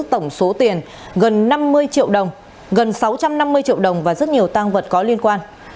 tổng số tiền gần năm mươi triệu đồng gần sáu trăm năm mươi triệu đồng và rất nhiều tăng vật có liên quan